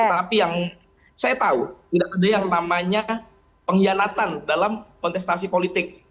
tetapi yang saya tahu tidak ada yang namanya pengkhianatan dalam kontestasi politik